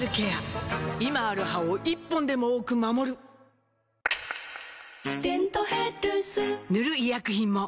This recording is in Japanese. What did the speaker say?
今ある歯を１本でも多く守る「デントヘルス」塗る医薬品も